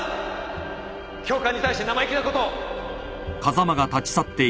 教官に対して生意気なことを！